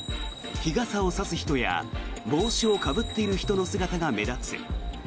日傘をさす人や帽子をかぶっている人の姿が目立つ。